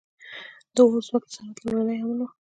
• د اور ځواک د صنعت لومړنی عامل و.